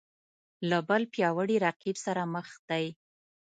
له بل پیاوړي رقیب سره مخ دی